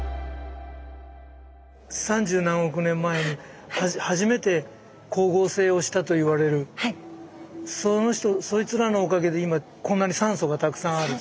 三十何億年前に初めて光合成をしたといわれるそいつらのおかげで今こんなに酸素がたくさんある。